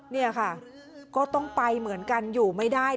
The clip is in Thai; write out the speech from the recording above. นี่ค่ะก็ต้องไปเหมือนกันอยู่ไม่ได้